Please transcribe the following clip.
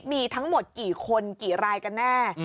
มีทั้งหมดกี่คนกี่รายกันแน่